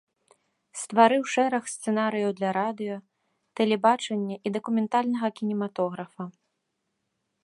Стварыў шэраг сцэнарыяў для радыё, тэлебачання і дакументальнага кінематографа.